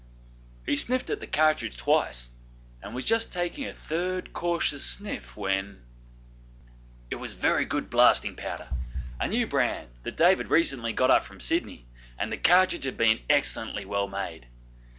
He sniffed at the cartridge twice, and was just taking a third cautious sniff when It was very good blasting powder a new brand that Dave had recently got up from Sydney; and the cartridge had been excellently well made.